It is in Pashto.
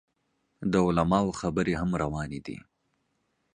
د علماو خبرې هم روانې دي.